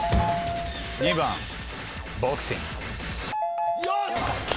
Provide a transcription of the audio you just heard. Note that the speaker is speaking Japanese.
２番ボクシング。